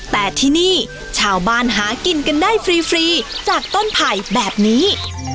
แต่ที่นี่ชาวบ้านหากินกันได้ฟรีจากต้นไผ่แบบนี้